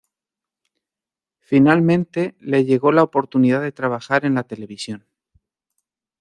Finalmente le llegó la oportunidad de trabajar en la televisión.